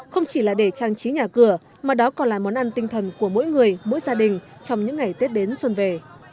không chỉ là để trang trí nhà cửa mà đó còn là món ăn tinh thần của mỗi người mỗi gia đình trong những ngày tết đến xuân về